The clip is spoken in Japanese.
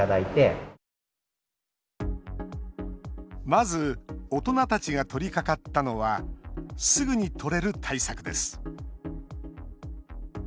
まず大人たちが取りかかったのはすぐに取れる対策です。